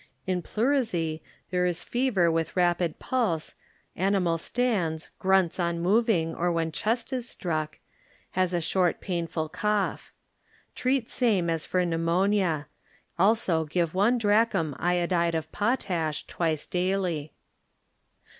In Pleuusy there is fever with rapid pulse, animal stands, grunts on moving or when chest is struck, has a short painful cough. Treat same as for pneu monia; give also one drachm iodide of potash twice daily.